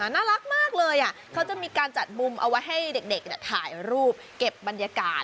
น่ารักมากเลยเขาจะมีการจัดมุมเอาไว้ให้เด็กถ่ายรูปเก็บบรรยากาศ